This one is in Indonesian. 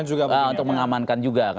untuk mengamankan juga